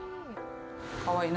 かわいい。